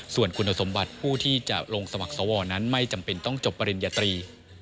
ส่วนคุณสมบัติผู้ที่จะลงสมัครสวนั้นไม่จำเป็นต้องจบปริญญาตรี